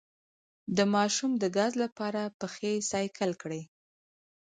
د ماشوم د ګاز لپاره پښې سایکل کړئ